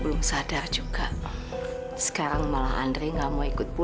buzz dan warga berkembang rezeki ya